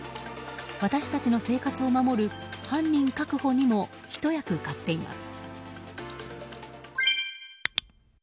私たちの生活を守る犯人確保にもひと役買っています。